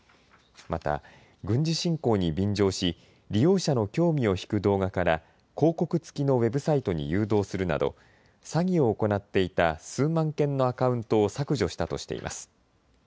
また、軍事侵攻に便乗し利用者の興味を引く動画から広告付きのウェブサイトに誘導するなど詐欺を行っていた数万件のアカウントを削除したとしています。